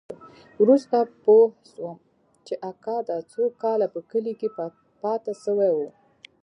وروسته پوه سوم چې اکا دا څو کاله په کلي کښې پاته سوى و.